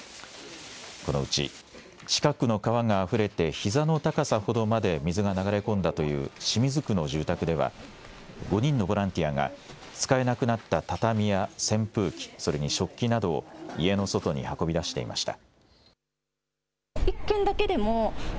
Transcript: このうち近くの川があふれてひざの高さほどまで水が流れ込んだという清水区の住宅では５人のボランティアが使えなくなった畳や扇風機、それに食器などを家の外に運び出していました。